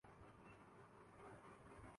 پاکستان کی شکست نے افسردہ کردیا تھا